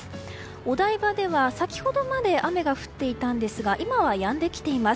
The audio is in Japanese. お台場では先ほどまで雨が降っていたんですが今はやんできています。